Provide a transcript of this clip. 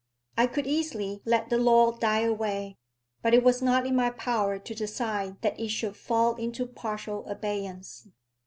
I could easily let the law die away, but it was not in my power to decide that it should fall into partial abeyance.